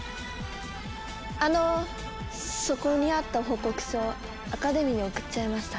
あのそこにあった報告書アカデミーに送っちゃいました。